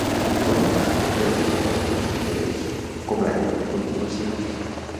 Forma part del que habitualment es refereix com la Guerra de Continuació.